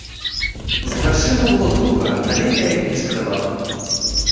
З грашыма было туга, але я іх не шкадавала.